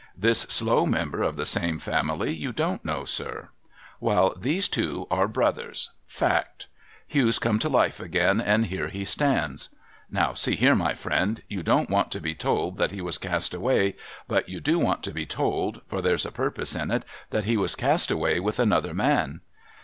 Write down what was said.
This slow member of the same family you don't know, sir. Wa'al, these two are brothers, — fact ! Hugh's come to life again, and here he stands. Now see here, my friend ! You don't want to be told that he was cast away, but you do want to be told (for there's a purpose in it) that he was cast away with another man.